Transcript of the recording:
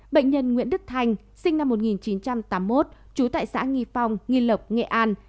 bệnh nhân nguyễn đức thanh sinh năm một nghìn chín trăm tám mươi một trú tại xã nghi phong nghi lộc nghệ an